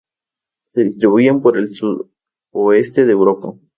Se distribuyen por el sudoeste de Europa.